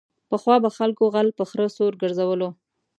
پخوا به خلکو غل په خره سور گرځولو.